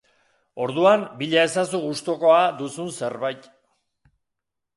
Orduan, bila ezazu gustukoa duzun zerbait.